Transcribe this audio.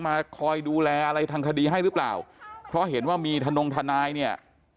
มาคอยดูแลอะไรทางคดีให้หรือเปล่าเพราะเห็นว่ามีทนงทนายเนี่ย